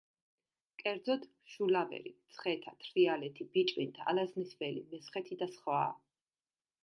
კერძოდ: შულავერი, მცხეთა, თრიალეთი, ბიჭვინთა, ალაზნის ველი, მესხეთი და სხვა.